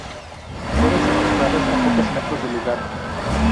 Fueron secuestrados a pocos metros del lugar.